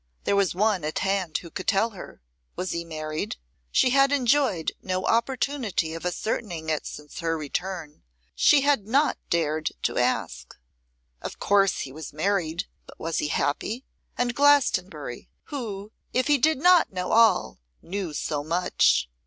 There was one at hand who could tell her. Was he married? She had enjoyed no opportunity of ascertaining it since her return: she had not dared to ask. Of course he was married; but was he happy? And Glastonbury, who, if he did not know all, knew so much.